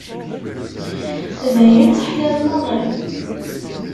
D ayen teḥliḍ maḍi?